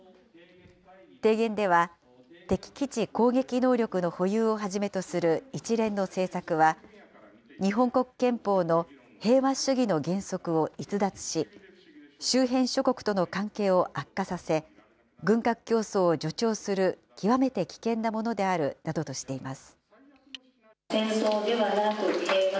提言では、敵基地攻撃能力の保有をはじめとする一連の政策は、日本国憲法の平和主義の原則を逸脱し、周辺諸国との関係を悪化させ、軍拡競争を助長する極めて危険なものであるなどとしています。